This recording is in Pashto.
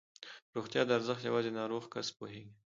د روغتیا ارزښت یوازې ناروغ کس پوهېږي.